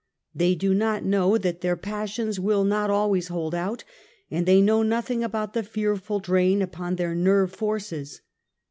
/ They do not know that their i^assions will not al '^^ ways hold out, and they know nothing about the ' fearful drain upon their nerve forces.